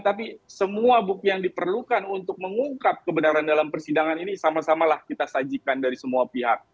tapi semua bukti yang diperlukan untuk mengungkap kebenaran dalam persidangan ini sama samalah kita sajikan dari semua pihak